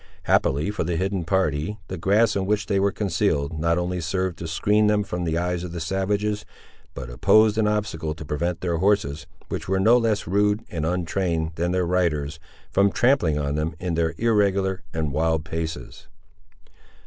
Happily, for the hidden party, the grass in which they were concealed, not only served to skreen them from the eyes of the savages, but opposed an obstacle to prevent their horses, which were no less rude and untrained than their riders, from trampling on them, in their irregular and wild paces.